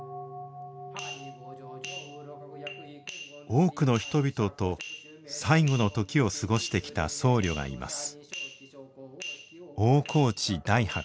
多くの人々と最期の時を過ごしてきた僧侶がいます。